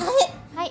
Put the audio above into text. はい。